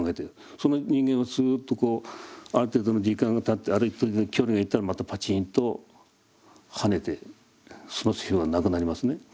その人間がすっとこうある程度の時間がたってある程度の距離をいったらまたパチンと跳ねてその水泡はなくなりますね。